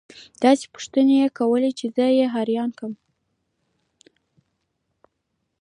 داسې پوښتنې يې كولې چې زه يې حيران كړى وم.